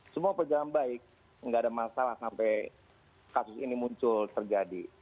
semua perjalanan baik nggak ada masalah sampai kasus ini muncul terjadi